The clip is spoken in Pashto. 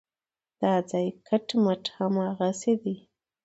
دا ځای کټ مټ هماغسې دی.